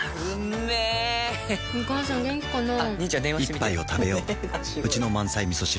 一杯をたべよううちの満菜みそ汁